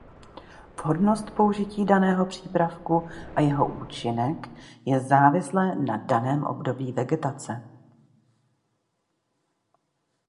Vhodnost použití daného přípravku a jeho účinek je závislé na daném období vegetace.